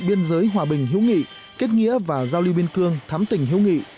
biên giới hòa bình hữu nghị kết nghĩa và giao lưu biên cương thám tỉnh hữu nghị